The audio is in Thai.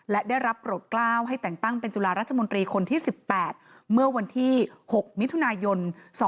และได้รับโปรดกล้าวให้แต่งตั้งเป็นจุฬารัฐมนตรีคนที่๑๘เมื่อวันที่๖มิถุนายน๒๕๖